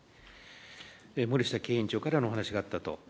森下経営委員長からのお話があったと。